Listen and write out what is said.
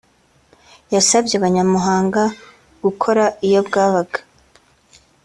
yasabye Abanyamuhanga gukora iyo bwabaga